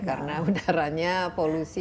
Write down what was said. karena udaranya polusi